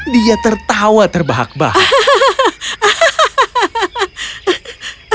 dia tertawa terbahak bahak